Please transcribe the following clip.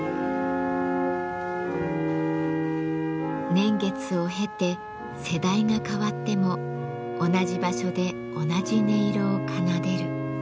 年月を経て世代が変わっても同じ場所で同じ音色を奏でる。